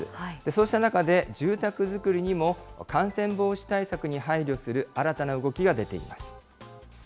そうした中で、住宅造りにも感染防止対策に配慮する新たな動きが出ています。